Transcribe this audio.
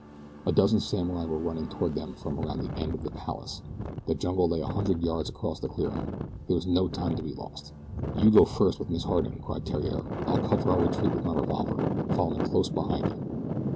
A dozen samurai were running toward them from around the end of the "Palace." The jungle lay a hundred yards across the clearing. There was no time to be lost. "You go first with Miss Harding," cried Theriere. "I'll cover our retreat with my revolver, following close behind you."